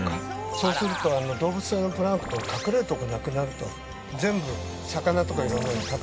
そうすると動物性のプランクトン隠れるとこなくなると全部魚とか色んなのに食べられちゃうから。